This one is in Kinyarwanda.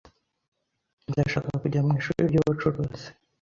Ndashaka kujya mwishuri ryubucuruzi.